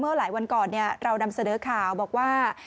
หลายวันก่อนเรานำเสนอข่าวบอกว่า